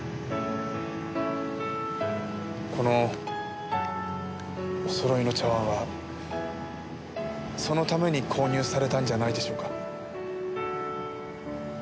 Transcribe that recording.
このお揃いの茶碗はそのために購入されたんじゃないでしょうか？